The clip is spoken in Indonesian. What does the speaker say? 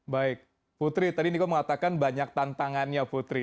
baik putri tadi niko mengatakan banyak tantangannya putri